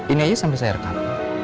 ini aja sambil saya rekam